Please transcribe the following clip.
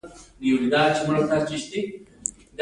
تکنالوژي ژوند آسانه کوي.